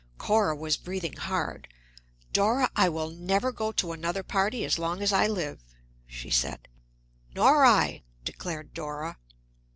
Cora was breathing hard. "Dora, I will never go to another party as long as I live," she said. "Nor I," declared Dora.